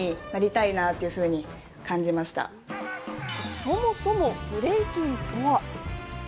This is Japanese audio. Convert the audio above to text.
そもそもブレイキンとは？